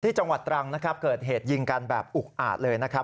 จังหวัดตรังนะครับเกิดเหตุยิงกันแบบอุกอาจเลยนะครับ